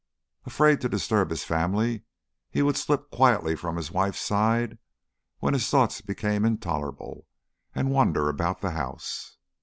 Afraid to disturb his family, he would slip quietly from his wife's side, when his thoughts became intolerable, and wander about the house.